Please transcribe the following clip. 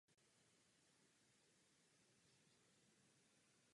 Další dva kameny se nacházejí přímo v dlažbě chrámu.